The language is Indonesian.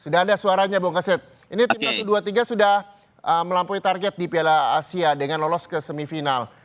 sudah ada suaranya bung kasit ini timnas u dua puluh tiga sudah melampaui target di piala asia dengan lolos ke semifinal